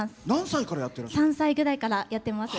３歳ぐらいからやってます。